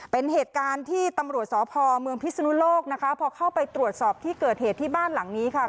เป็นเหตุการณ์ที่ตำรวจสพเมืองพิศนุโลกนะคะพอเข้าไปตรวจสอบที่เกิดเหตุที่บ้านหลังนี้ค่ะ